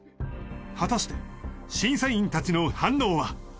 果たして審査員たちの反応は？